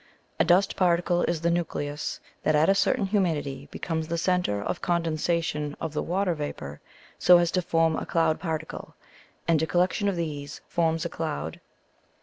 A dust particle is the nucleus that at a certain humidity becomes the centre of condensation of the water vapour so as to form a cloud particle; and a collection of these forms a cloud.